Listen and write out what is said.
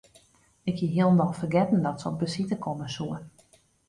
Ik hie hielendal fergetten dat se op besite komme soe.